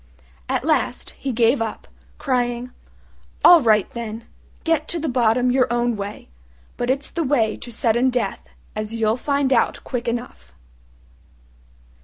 At last he gave up, crying, "All right, then, get to the bottom your own way; but it's the way to sudden death, as you'll find out quick enough."